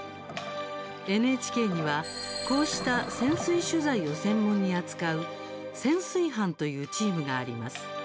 ＮＨＫには、こうした潜水取材を専門に扱う潜水班というチームがあります。